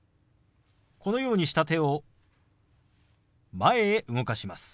このようにした手を前へ動かします。